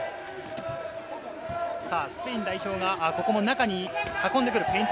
スペイン代表がここも中に運んでくる。